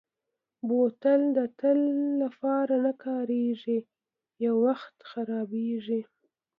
بوتل د تل لپاره نه کارېږي، یو وخت خرابېږي.